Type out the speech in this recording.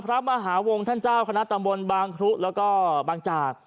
พระมหาวงท่านเจ้าคณะตำบลบางครุแล้วก็บางจาก